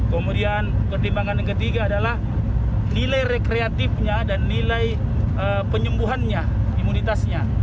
kemudian pertimbangan yang ketiga adalah nilai rekreatifnya dan nilai penyembuhannya imunitasnya